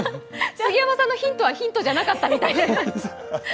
杉山さんのヒントはヒントじゃなかったみたい。